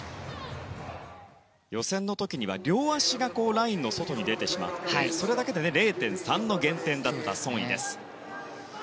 予選の時には両足がラインの外に出てしまってそれだけで０．３の減点だったソン・イです。